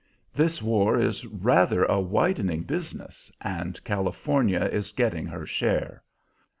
"This war is rather a widening business, and California is getting her share.